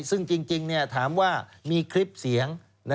ซึ่งจริงถามว่ามีคลิปเสียง